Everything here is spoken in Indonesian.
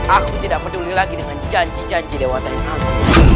aku tidak peduli lagi dengan janji janji dewa tengahku